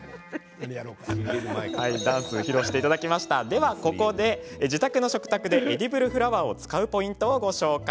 ではここで、自宅の食卓でエディブルフラワーを使うポイントをご紹介。